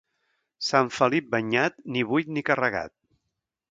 Sant Felip banyat, ni buit ni carregat.